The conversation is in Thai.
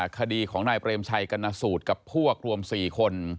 คดีของนายเปรมชัยกรณสูตรกับพวกรวม๔คน